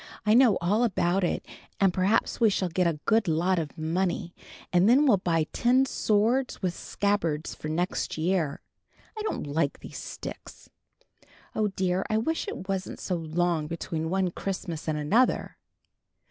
"I know all about it, and perhaps we shall get a good lot of money, and then we'll buy tin swords with scabbards for next year. I don't like these sticks. Oh, dear, I wish it wasn't so long between one Christmas and another."